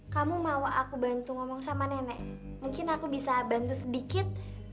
kamu mau aku bantu ngomong sama nenek mungkin aku bisa bantu sedikit